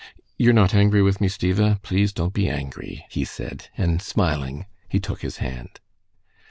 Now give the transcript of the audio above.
"You're not angry with me, Stiva? Please don't be angry," he said, and smiling, he took his hand.